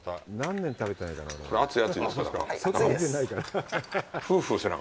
これ、熱い熱いですか、中。